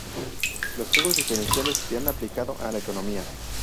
Los juegos diferenciales se han aplicado a la economía.